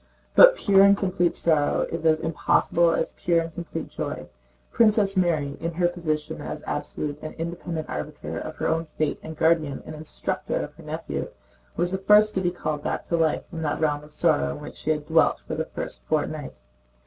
But pure and complete sorrow is as impossible as pure and complete joy. Princess Mary, in her position as absolute and independent arbiter of her own fate and guardian and instructor of her nephew, was the first to be called back to life from that realm of sorrow in which she had dwelt for the first fortnight.